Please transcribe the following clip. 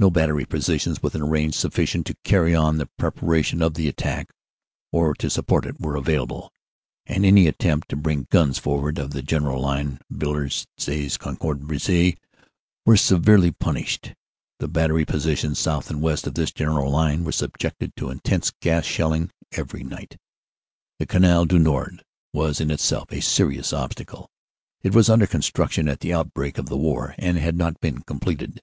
"No battery positions within a range sufficient to carry on the preparation of the attack, or to support it, were available, and any attempt to bring guns forward of the general line Vil lers lez Cagnicourt Buissy was severely punished; the battery positions south and west of this general line were subjected to intense gas shelling every night. "The Canal du Nord was in itself a serious obstacle. It was under construction at the outbreak of the war and had not been completed.